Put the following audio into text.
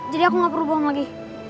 jadi aku gak perlu bohong lagi